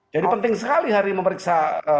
jadi penting sekali hari memeriksa